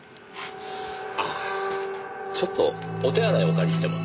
ああちょっとお手洗いをお借りしても？